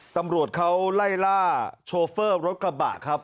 ตำรวจเขาไล่ล่าโชเฟอร์รถกระบะครับ